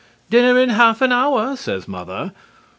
"Dinner in half an hour," says Mother.